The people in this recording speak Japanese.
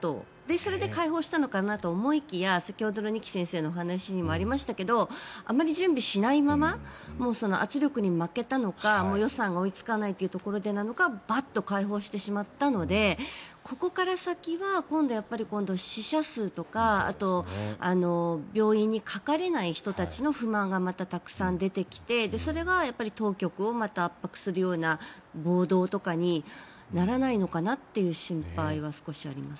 それで開放したのかなと思いきや先ほどの二木先生のお話にもありましたけどあまり準備しないまま圧力に負けたのか予算が追いつかないというところでなのかバッと開放してしまったのでここからは先は今度、死者数とかあとは病院にかかれない人たちの不満がまたたくさん出てきてそれが当局をまた圧迫するような暴動とかにならないのかなという心配は少しあります。